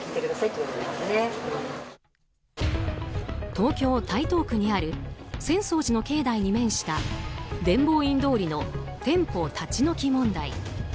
東京・台東区にある浅草寺の境内に面した伝法院通りの店舗立ち退き問題。